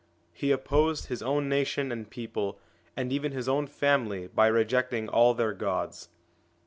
He opposed his own nation and people, and even his own family, by rejecting all their gods.